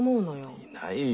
いないよ。